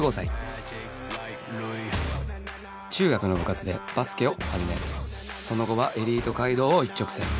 中学の部活でバスケを始めその後はエリート街道を一直線